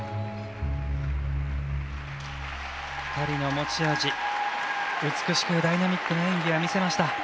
２人の持ち味美しくダイナミックな演技を見せました。